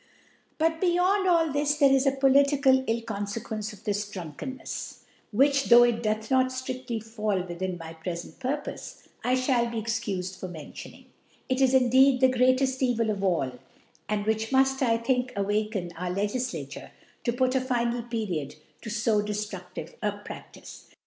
But beyond a'l this, there is a polidcal ill Confequence of thisDrunkenncfe, which^ though it doth notftriftly fall within my pre fent Purpofe, I (hall be excufed for meniion ing, it being indeed thcgreateft Evil ofall, and which muft, I chink, awaken our Legiflature to put a final Period to fo dcftruftivc a • Pra<5tice.